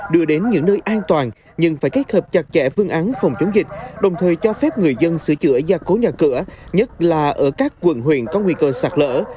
đưa đến những nơi an toàn nhưng phải kết hợp chặt chẽ phương án phòng chống dịch đồng thời cho phép người dân sửa chữa gia cố nhà cửa nhất là ở các quận huyện có nguy cơ sạt lỡ